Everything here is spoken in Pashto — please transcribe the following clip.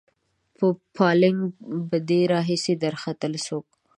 په پالنګ به دې دا هسې درختل څوک